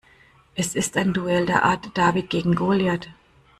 Es ist ein Duell der Art David gegen Goliath.